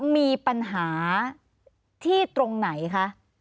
มีปัญหาที่ตรงไหนคะ